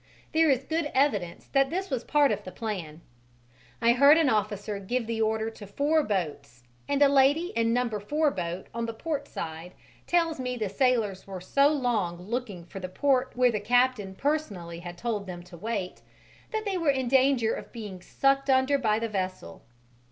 There is good evidence that this was part of the plan: I heard an officer give the order to four boats and a lady in number 4 boat on the port side tells me the sailors were so long looking for the port where the captain personally had told them to wait, that they were in danger of being sucked under by the vessel.